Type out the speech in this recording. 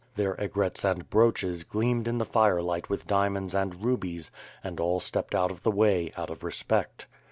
Their aigrettes and brooches gleamed in the firelight with diamonds and rubies, and all stepped out of the way out of respect.